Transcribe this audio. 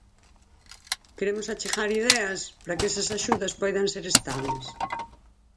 Queremos achegar ideas para que esas axudas poidan ser estables.